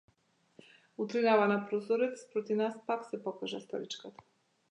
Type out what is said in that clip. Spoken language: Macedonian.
Утринава на прозорец спроти нас пак се покажа старичката.